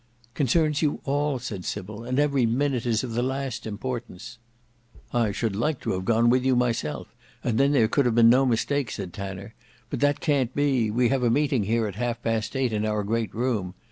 "Concerns you all," said Sybil; "and every minute is of the last importance." "I should like to have gone with you myself, and then there could have been no mistake," said Tanner; "but that can't be; we have a meeting here at half past eight in our great room.